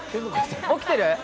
起きてる？